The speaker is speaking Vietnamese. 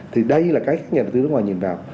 thì đây là các nhà đầu tư nước ngoài nhìn vào